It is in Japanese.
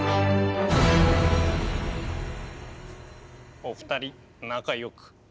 お二人仲よく。